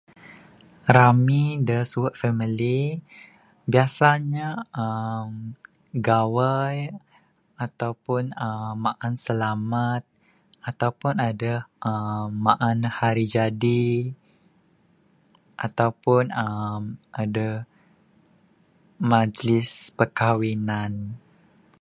Rami dak suwe family biasanya aaa gawai ataupun aaa maan selamat ataupun adeh aaa maan Hari Jadi ataupun aaa adeh Majlis perkahwinan.